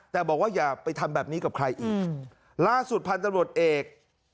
แต่บอกว่าอย่าไปทำแบบนี้กับใครอีกล่าสุดพันธุ์ตำรวจเอก